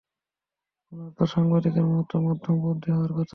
ওনার তো সাংবাদিকের মতো মধ্যমপন্থী হওয়ার কথা।